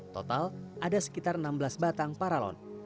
total ada sekitar enam belas batang paralon